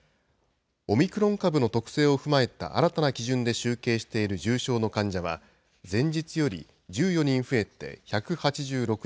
オミクロン株の特性を踏まえた新たな基準で集計している重症の患者は、前日より１４人増えて１８６人。